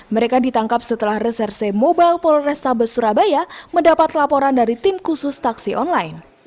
mereka ditangkap setelah reserse mobile polrestabes surabaya mendapat laporan dari tim khusus taksi online